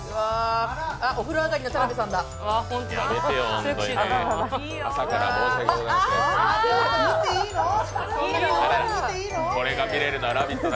お風呂上がりの田辺さんだ！